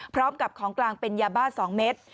พร้อมกับของกลางเป็นยาบ้า๒เม็ด